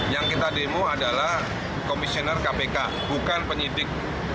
yang kita demo adalah komisioner kpk bukan penyidik